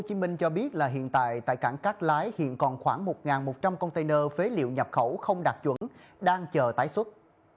cục hải quan tp hcm cho biết hiện tại tại cảng cát lái hiện còn khoảng một một trăm linh container phế liệu nhập khẩu không đạt chuẩn đang chờ tái xuất